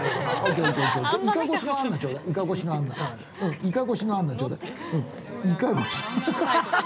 ◆イカ越しのアンナちょうだい。